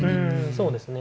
そうですね。